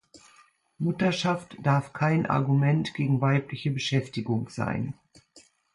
Mutterschaft darf kein Argument gegen weibliche Beschäftigung sein.